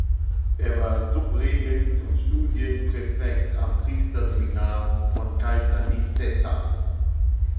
Er war Subregens und Studienpräfekt am Priesterseminar von Caltanissetta.